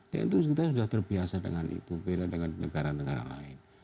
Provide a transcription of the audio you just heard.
dan itu kita sudah terbiasa dengan itu berbeda dengan negara negara lain